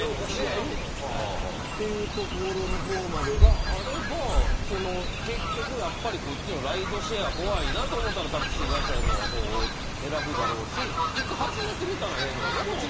というのがあれば結局ライドシェアが怖いなと思ったらタクシー会社の方を選ぶだろうし一回始めてみたらいいのになと。